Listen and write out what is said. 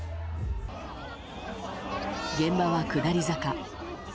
現場は下り坂。